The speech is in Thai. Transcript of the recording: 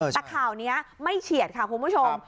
แต่ข่าวนี้ไม่เฉียดค่ะคุณผู้ชม